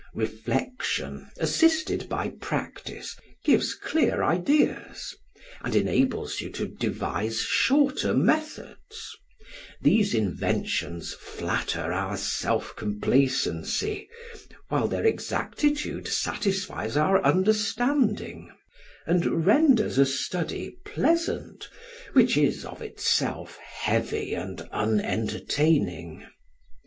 Reflection, assisted by practice, gives clear ideas, and enables you to devise shorter methods, these inventions flatter our self complacency, while their exactitude satisfies our understanding, and renders a study pleasant, which is, of itself, heavy and unentertaining.